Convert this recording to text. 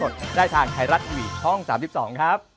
น้อง๓๒ครับ